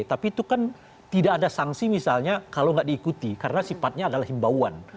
tapi itu kan tidak ada sanksi misalnya kalau nggak diikuti karena sifatnya adalah himbauan